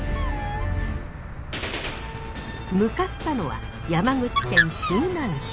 向かったのは山口県周南市。